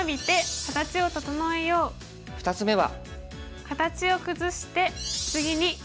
２つ目は。